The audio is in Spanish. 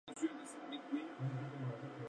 Perdió su vida en un ataque contra la isla de Quíos.